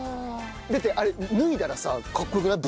だってあれ脱いだらさかっこよくない？